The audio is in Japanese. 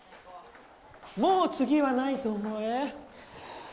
もうつぎはないと思え！